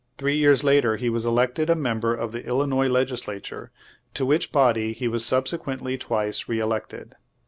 Three years later he was elected a member of the Illinois legislature, to which body he was subse quently twice re elected.